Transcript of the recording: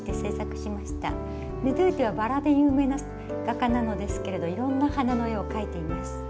ルドゥーテはばらで有名な画家なのですけれどいろんな花の絵を描いています。